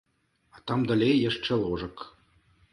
А там далей яшчэ ложак.